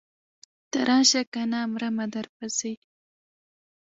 ته راشه کنه مرمه درپسې.